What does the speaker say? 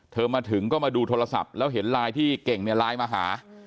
มาถึงก็มาดูโทรศัพท์แล้วเห็นไลน์ที่เก่งเนี่ยไลน์มาหา